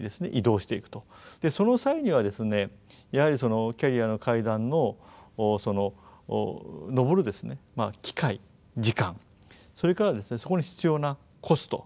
その際にはですねやはりキャリアの階段を上る機会時間それからそこに必要なコスト。